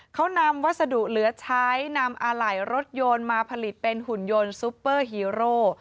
เขานำวัสดุเหลือใช้นำอะไหล่รถยนต์มาผลิตเป็นหุ่นยนต์ซุปเปอร์ฮีโร่